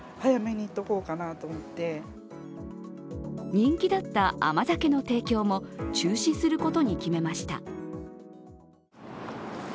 人気だった甘酒の提供も、中止することに決めました。